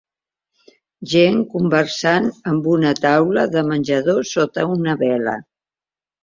Gent conversant en una taula de menjador sota una vela.